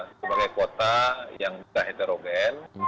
sebagai kota yang bisa heterogen